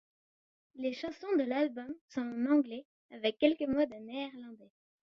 Les chansons de l'album sont en anglais avec quelques mots de néerlandais.